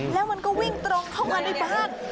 แล้วมันก็วิ่งตรงเข้ามาในบ้าน